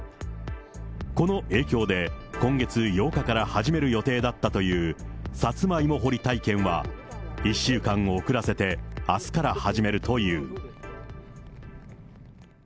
この影響で、今月８日から始める予定だったという、さつまいも掘り体験は、１週間遅らせてあすから始めるという。